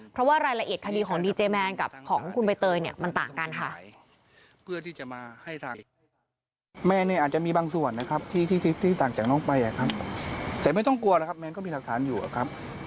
เพราะว่ารายละเอียดคดีของดีเจแมนกับของคุณใบเตยเนี่ยมันต่างกันค่ะ